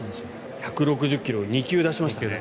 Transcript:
１６０ｋｍを２球出しましたね。